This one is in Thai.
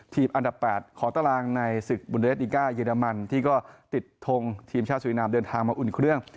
อันดับ๘ขอตารางในศึกบุญเดสติก้าเยอรมันที่ก็ติดทงทีมชาติสุรินามเดินทางมาอุ่นเครื่อง